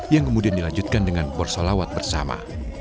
yang kemudian dilanjutkan dengan porsolawat bersama